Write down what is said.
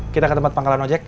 kita ke tempat pangkalan ojek